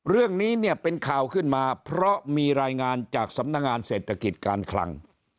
เรื่องนี้เนี่ยเป็นข่าวขึ้นมาเพราะมีรายงานจากสำนักงานเศรษฐกิจการคลัง